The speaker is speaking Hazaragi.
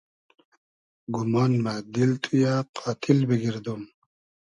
گومان مۂ دیل تو یۂ قاتیل بیگئردوم